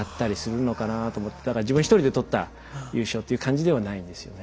だから自分１人で取った優勝という感じではないんですよね。